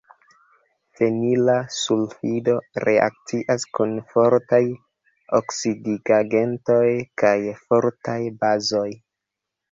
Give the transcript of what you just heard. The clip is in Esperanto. Fenila sulfido reakcias kun fortaj oksidigagentoj kaj fortaj bazoj.